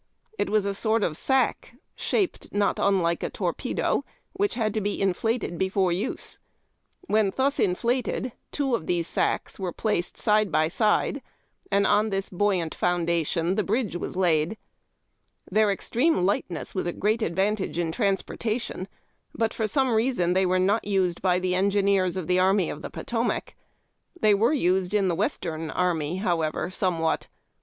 It was a sort of sack, shaped not unlike a torpedo, which had to be inflated before use. When thus inflated, two of these sacks were placed side by side, and on this buoyant foundation the bridge was laid. Their extreme lightness was a great advantage m transpor tation, but for some reason they were not used by the engi neers of the Army of the Potomac. They were used in the western army, however, somewhat.